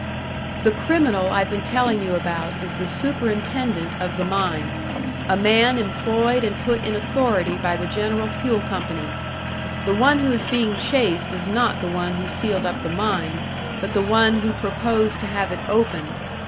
"The criminal I've been telling you about is the superintendent of the mine a man employed and put in authority by the General Fuel Company. The one who is being chased is not the one who sealed up the mine, but the one who proposed to have it opened.